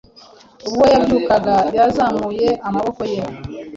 Ubwo yabyukaga yazamuye amaboko ye